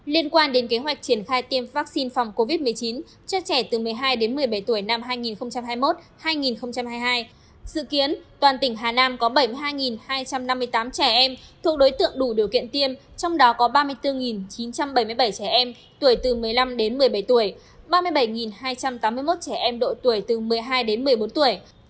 liên quan đến kế hoạch triển khai tiêm vaccine phòng covid một mươi chín cho trẻ từ một mươi hai một mươi bảy tuổi năm hai nghìn hai mươi một hai nghìn hai mươi hai sự kiến toàn tỉnh hà nam có bảy mươi hai hai trăm năm mươi tám trẻ em thuộc đối tượng đủ điều kiện tiêm trong đó có ba mươi bốn chín trăm bảy mươi bảy trẻ em tuổi từ một mươi năm một mươi bảy tuổi ba mươi bảy hai trăm tám mươi một trẻ em độ tuổi từ một mươi hai một mươi bốn tuổi